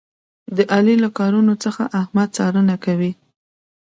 د علي له کارونو څخه احمد څارنه کوي.